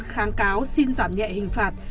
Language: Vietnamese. kháng cáo xin giảm nhẹ hình phạt